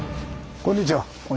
こんにちは。